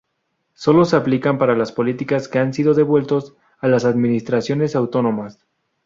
Solo se aplica para las políticas que han sido "devueltos" a las administraciones autónomas.